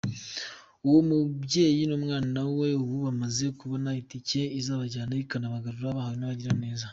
Uwo mubyeyi n’umwana we ubu bamaze kubona itike izabajyana ikanabagarura bahawe n’abagiraneza.